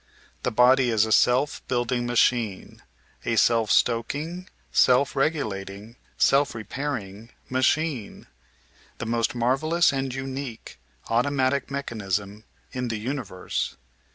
The body is a self building machine; a self stoking, self regulating, self repairing machine — ^the most marvellous and unique automatic mechanism in. the universe.